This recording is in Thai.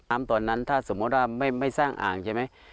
ตอนนั้นถ้าสมมุติว่าไม่สร้างอ่างใช่ไหม